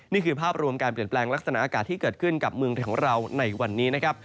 นี่คือภาพรวมการเปลี่ยนแปลงลักษณะอากาศที่เกิดขึ้นกับเมืองไทยของเราในวันนี้นะครับ